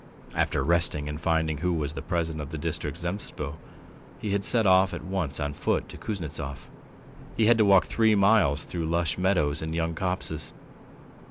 After resting and finding who was the president of the District Zemstvo, he had set off at once on foot to Kuznetsov. He had to walk three miles through lush meadows and young copses.